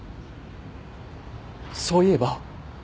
そういえば。